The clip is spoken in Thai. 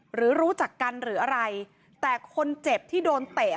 หรือรู้จักกันหรืออะไรแต่คนเจ็บที่โดนเตะ